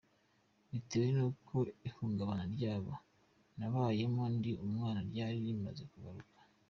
Bitewe n’uko ihungabana ry’ibo nabayemo ndi umwana ryari rimaze kugaruka.